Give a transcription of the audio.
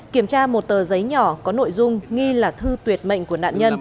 kiểm tra một tờ giấy nhỏ có nội dung nghi là thư tuyệt mệnh của nạn nhân